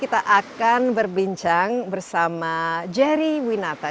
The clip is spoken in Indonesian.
kita akan berbincang bersama jerry winata